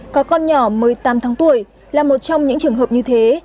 có con nhỏ một mươi tám tháng tuổi là một trong những trường hợp như thế